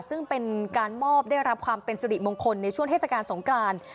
ซึ่งเป็นการมอบได้รับความเป็นสุริมงคลในช่วงเทศกาลสงกราน